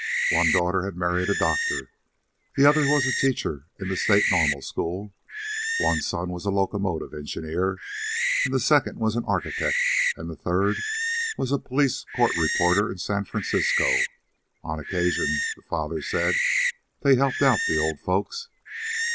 One daughter had married a doctor, the other was a teacher in the state normal school; one son was a locomotive engineer, the second was an architect, and the third was a police court reporter in San Francisco. On occasion, the father said, they helped out the old folks.